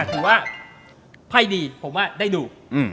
ถือว่าไพ่ดีผมว่าได้ดู